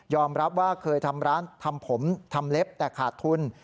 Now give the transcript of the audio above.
รับว่าเคยทำร้านทำผมทำเล็บแต่ขาดทุน